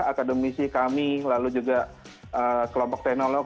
akademisi kami lalu juga kelompok teknolog